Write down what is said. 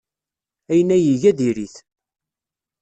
Ayen ay iga diri-t.